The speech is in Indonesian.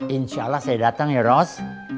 insya allah saya datang ya ros